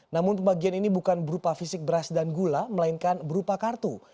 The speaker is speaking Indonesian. namun pembagian ini bukan berupa fisik beras dan gula melainkan berupa kartu